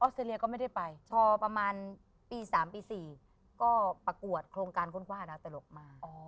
เก่าประหลานปี๓ปี๔ก็ปรากวดโครงการคนความอาบโตรกมา